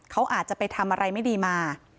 เขาอาจจะไปทำอะไรไม่ดีมา